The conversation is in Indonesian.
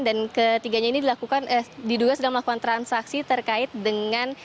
dan ketiganya ini diduga sedang melakukan transaksi terkait dengan